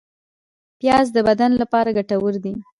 پیاز د بدن لپاره ګټور دی